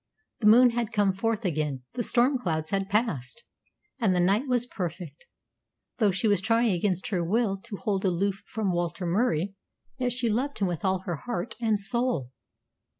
The moon had come forth again, the storm clouds had passed, and the night was perfect. Though she was trying against her will to hold aloof from Walter Murie, yet she loved him with all her heart and soul.